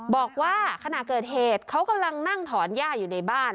บอกว่าขณะเกิดเหตุเขากำลังนั่งถอนหญ้าอยู่ในบ้าน